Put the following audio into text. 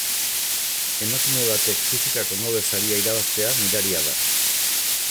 Emakume batek fisikako Nobel saria irabaztea miraria da.